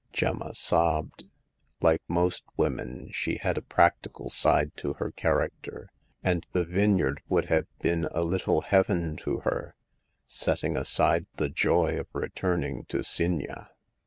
Gemma sobbed. Like most women, she had a practical side to her character, and the vine yard would have been a little heaven to her, set ting aside the joy of returning to Signa.